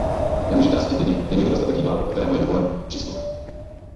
Nemůžete nasytit lidi, není-li dostatek jídla, kterému je dovolen přístup.